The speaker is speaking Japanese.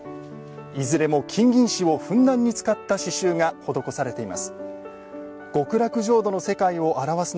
いずれも金銀糸をふんだんに使った刺しゅうが施されています。